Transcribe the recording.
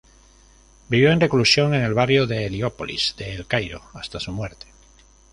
Vivió en reclusión en el barrio de Heliópolis de El Cairo hasta su muerte.